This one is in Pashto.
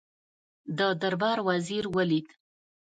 د دربار وزیر ولید.